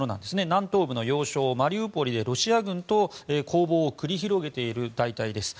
南東部の要衝マリウポリでロシア軍と攻防を繰り広げている大隊です。